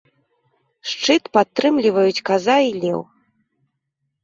Шчыт падтрымліваюць каза і леў.